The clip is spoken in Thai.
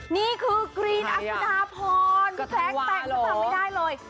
นี่คือกรีนอัศวินาพรพี่แพ้งแต่งก็ทำไม่ได้เลย